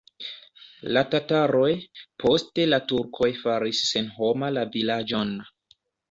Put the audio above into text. La tataroj, poste la turkoj faris senhoma la vilaĝon.